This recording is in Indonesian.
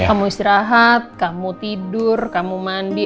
kamu istirahat kamu tidur kamu mandi